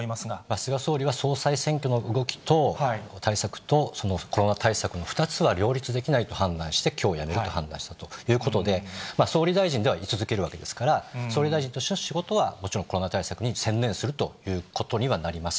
菅総理は総裁選挙の動きと、対策と、コロナ対策の２つは両立できないと判断して、きょう辞めると判断したということで、総理大臣ではい続けるわけですから、総理大臣としての仕事はもちろんコロナ対策に専念するということにはなります。